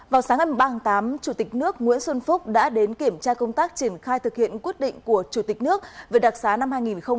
vào sáng ngày một mươi tám chủ tịch nước nguyễn xuân phúc đã đến kiểm tra công tác triển khai thực hiện quyết định của chủ tịch nước về đặc xá năm hai nghìn hai mươi hai